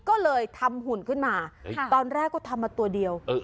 ก็เลยทำหุ่นขึ้นมาตอนแรกก็ทำมาตัวเดียว